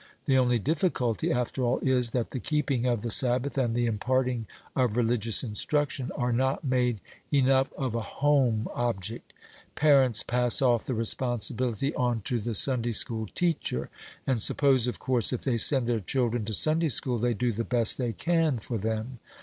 The only difficulty, after all, is, that the keeping of the Sabbath and the imparting of religious instruction are not made enough of a home object. Parents pass off the responsibility on to the Sunday school teacher, and suppose, of course, if they send their children to Sunday school, they do the best they can for them.